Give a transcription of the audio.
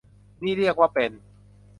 นี่เรียกว่าเป็น